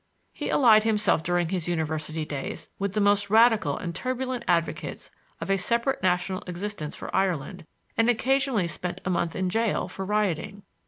He allied himself during his university days with the most radical and turbulent advocates of a separate national existence for Ireland, and occasionally spent a month in jail for rioting.